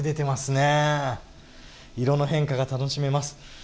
色の変化が楽しめます。